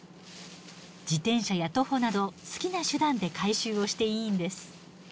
自転車や徒歩など好きな手段で回収をしていいんです。